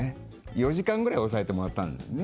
４時間ぐらい押さえてもらったんだよね。